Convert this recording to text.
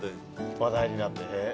話題になって。